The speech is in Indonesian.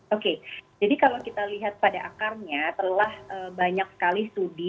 oke jadi kalau kita lihat pada akarnya telah banyak sekali studi